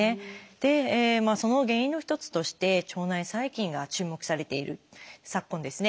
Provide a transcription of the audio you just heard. その原因の一つとして腸内細菌が注目されている昨今ですね